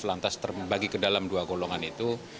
lantas terbagi ke dalam dua golongan itu